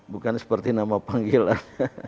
bukan seperti nama panggilan